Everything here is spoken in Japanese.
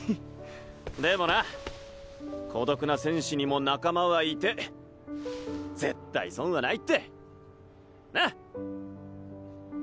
でもな「孤独な戦士」にも仲間はいて絶対損はないって！な！